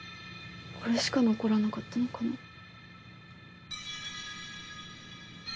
これしか残らなかったのかな。